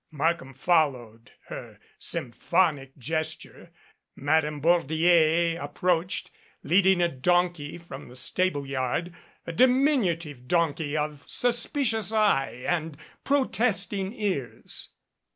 Markham followed her symphonic gesture. Madame Bordier approached, leading a donkey from the stable yard, a diminutive donkey of suspicious eye and protest ing ears.